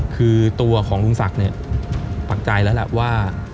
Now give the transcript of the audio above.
คือตัวของลุงศักดิ์เนี่ยปักใจแล้วแหละว่า